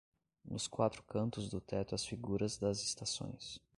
Nos quatro cantos do teto as figuras das estações